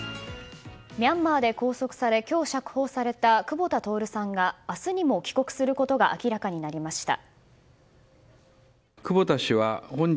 ミャンマーで拘束され今日釈放された久保田徹さんが明日にも帰国することが明らかになりました。